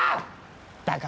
だから。